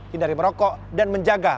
hindari merokok dan menjaga